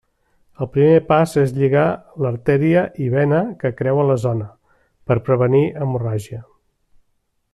El primer pas és lligar l'artèria i vena que creuen la zona, per prevenir hemorràgia.